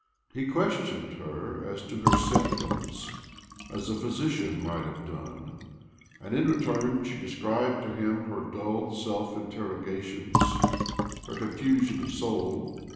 He ques tioned her as to her symptoms as a physician might have done, and, in return, she de scribed to him her dull self interrogations, her confusion of soul.